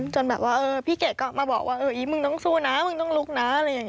จนแบบว่าพี่เกะก็ออกมาบอกว่ามึงต้องสู้นะมึงต้องลุกนะ